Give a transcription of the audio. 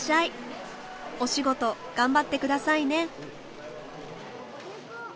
お仕事頑張ってくださいね。